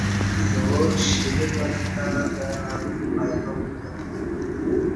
زوار شیلہ ولہ تہ اہ نرو پیدا بوتہ